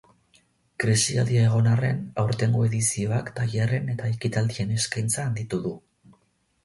Krisialdia egon arren, aurtengo edizioak tailerren eta ekitaldien eskaintza handitu du.